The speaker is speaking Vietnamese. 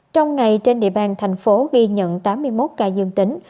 trong ngày trên địa bàn thành phố ghi nhận tám mươi một ca dương tính